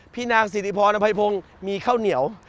พี่นางสิทธิพรนะไผ่พงมีข้าวเหนียว